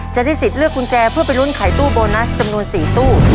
จะได้สิทธิ์เลือกกุญแจเพื่อไปลุ้นไขตู้โบนัสจำนวน๔ตู้